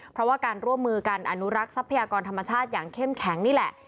เพราะว่าการร่วมมือกันอนุรักษ์ทรัพยากรธรรมชาติอย่างเข้มแข็งนี่แหละ